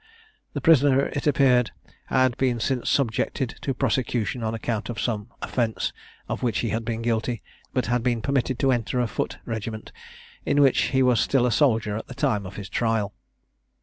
The prisoner, it appeared, had been since subjected to prosecution, on account of some offence of which he had been guilty, but had been permitted to enter a foot regiment, in which he was still a soldier at the time of his trial.